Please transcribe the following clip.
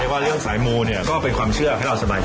ว่าเรื่องสายมูเนี่ยก็เป็นความเชื่อให้เราสบายใจ